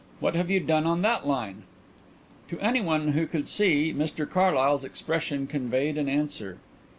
What have you done on that line?" To anyone who could see, Mr Carlyle's expression conveyed an answer.